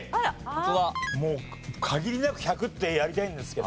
もう限りなく１００ってやりたいんですけど。